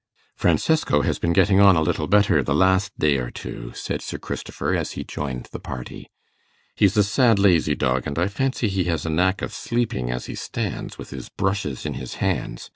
'Francesco has been getting on a little better the last day or two,' said Sir Christopher, as he joined the party: 'he's a sad lazy dog, and I fancy he has a knack of sleeping as he stands, with his brushes in his hands.